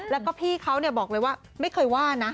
แล้วก็พี่เขาบอกเลยว่าไม่เคยว่านะ